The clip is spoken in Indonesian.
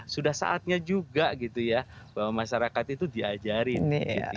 sudah saatnya juga gitu ya bahwa masyarakat itu diajarin